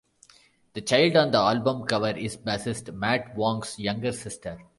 The child on the album cover is bassist Matt Wong's younger sister.